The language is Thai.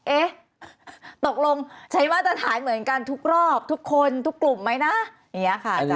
เอ๊ะตกลงใช้มาตรฐานเหมือนกันทุกรอบทุกคนทุกกลุ่มไหมนะ